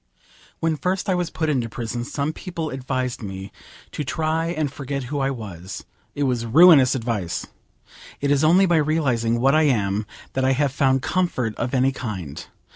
When first I was put into prison some people advised me to try and forget who I was. It was ruinous advice. It is only by realising what I am that I have found comfort of any kind.